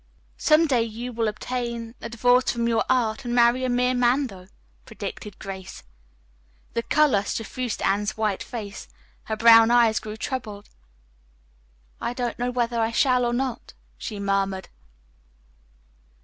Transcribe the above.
"Some day you will obtain a divorce from your art and marry a mere man, though," predicted Grace. The color suffused Anne's white face. Her brown eyes grew troubled. "I don't know whether I shall or not," she murmured.